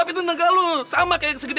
itu angkat cara break tuh